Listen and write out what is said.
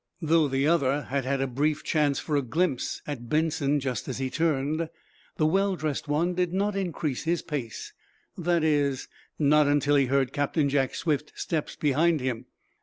Though the other had had a brief chance for a glimpse at Benson just as he turned, the well dressed one did not increase his pace that is, not until he heard Captain Jack's swift steps behind him.